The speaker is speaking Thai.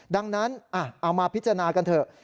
ดังนั้นเอามาพิจารณากันเถอะ